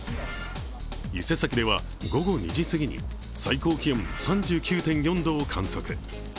伊勢崎では午後２時過ぎに最高気温３９．４度を観測。